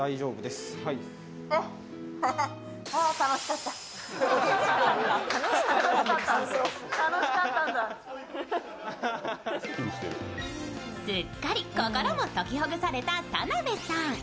すっかり心も解きほぐされた田辺さん。